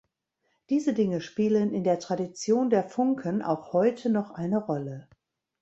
Diese Dinge spielen in der Tradition der Funken auch heute noch eine Rolle.